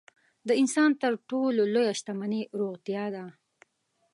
د انسان تر ټولو لویه شتمني روغتیا ده.